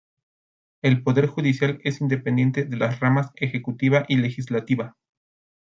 El poder judicial es independiente de las ramas ejecutiva y legislativa.